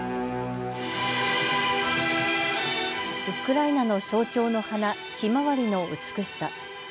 ウクライナの象徴の花、ひまわりの美しさ。